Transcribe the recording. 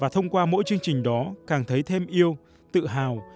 thông qua mỗi chương trình đó càng thấy thêm yêu tự hào